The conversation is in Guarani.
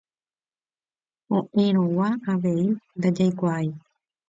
Ko'ẽrõgua avei ndajaikuáai.